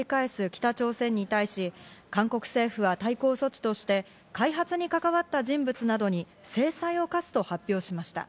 北朝鮮に対し、韓国政府は対抗措置として開発に関わった人物などに制裁を科すと発表しました。